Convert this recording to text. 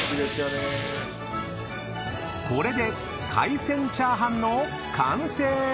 ［これで海鮮チャーハンの完成！］